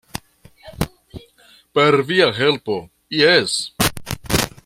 Per via helpo jes!